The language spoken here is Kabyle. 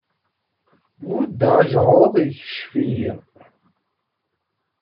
Buddeɣ ajɛuḍ, ikcef-iyi.